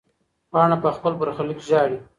پاڼه په خپل برخلیک ژاړي.